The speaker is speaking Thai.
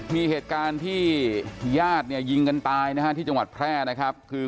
มีเหตุการณ์ที่ยาดยิงกันตายที่จังหวัดแพร่